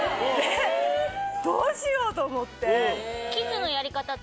どうしようと思って。